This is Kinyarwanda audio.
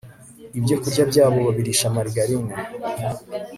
ibyokurya byabo babirisha marigarine